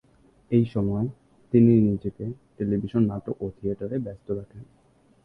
এই সময়ে, তিনি নিজেকে টেলিভিশন নাটক ও থিয়েটারে ব্যস্ত রাখেন।